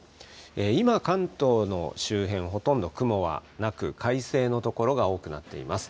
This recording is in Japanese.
今、関東の周辺、ほとんど雲はなく、快晴の所が多くなっています。